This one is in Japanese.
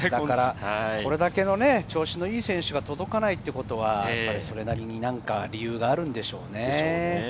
これだけ調子のいい選手が届かないということは、それなりに何か理由があるのでしょうね。